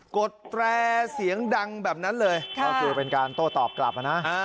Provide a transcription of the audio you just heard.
กดแตรเสียงดังแบบนั้นเลยต้องตอบกลับนะ